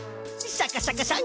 シャカシャカシャン！